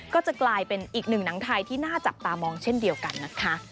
ก็จะกลายเป็นอีกหนึ่งหนังไทยที่น่าจับตามองเช่นเดียวกันนะคะ